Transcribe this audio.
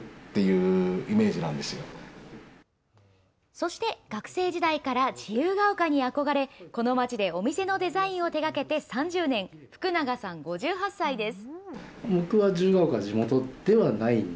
そして、学生時代から自由が丘に憧れ、この街でお店のデザインを手がけて３０年、福永さん５８歳です。